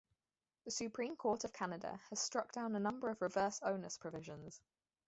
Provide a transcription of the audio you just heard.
The Supreme Court of Canada has struck down a number of reverse onus provisions.